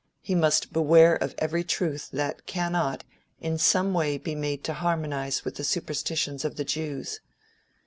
He must beware of every truth that cannot, in some way be made to harmonize with the superstitions of the Jews.